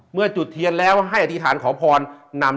เมื่อจุดเทียนแล้วให้อธิษฐานขอพอน